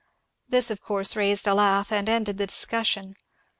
This of course raised a laugh and ended the discussion.